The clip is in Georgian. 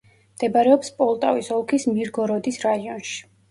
მდებარეობს პოლტავის ოლქის მირგოროდის რაიონში.